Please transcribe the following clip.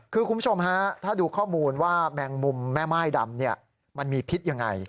คือคุณผู้ชมฮะถ้าดูข้อมูลว่าแมงมุมแม่ม่ายดำมันมีพิษยังไง